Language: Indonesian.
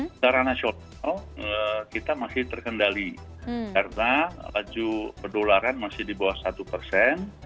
secara nasional kita masih terkendali karena laju penularan masih di bawah satu persen